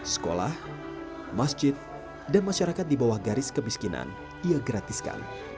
sekolah masjid dan masyarakat di bawah garis kemiskinan ia gratiskan